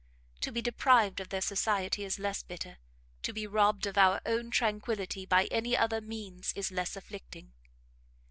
To be deprived of their society is less bitter, to be robbed of our own tranquillity by any other means, is less afflicting.